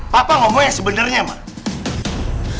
papa ngomong yang sebenarnya mak